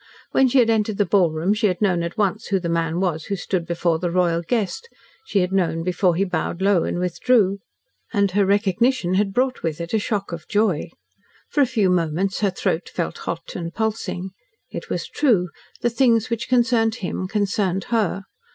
When she had entered the ballroom she had known at once who the man was who stood before the royal guest she had known before he bowed low and withdrew. And her recognition had brought with it a shock of joy. For a few moments her throat felt hot and pulsing. It was true the things which concerned him concerned her.